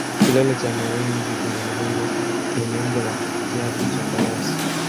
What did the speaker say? Kilele cha mawenzi kina mgongo wenye umbo la kiatu cha farasi